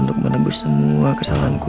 untuk menebus semua kesalahanku